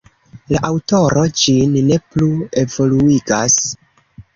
La aŭtoro ĝin ne plu evoluigas.